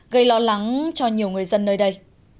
gây lo lắng cho nhiều người dân nơi đây